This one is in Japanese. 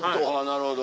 なるほど。